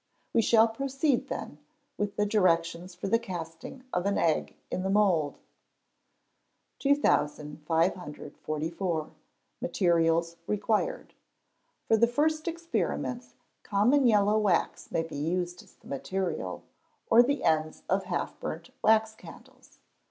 We shall proceed, then, with the directions for the casting of an egg in the mould. 2544. Materials required. For the first experiments, common yellow wax may be used as the material, or the ends of half burnt wax candles.